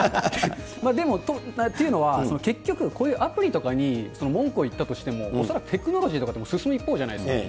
でも、というのは、結局、こういうアプリとかに文句を言ったとしても、恐らくテクノロジーとかって、進む一方じゃないですか。